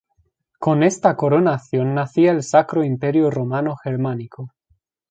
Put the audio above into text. Con esta coronación nacía el Sacro Imperio Romano Germánico.